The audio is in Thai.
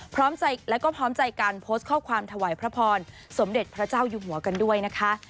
แล้วก็พร้อมใจการโพสต์ข้อความถวายพระพรสมเด็จพระเจ้าอยู่หัวกันด้วยนะคะ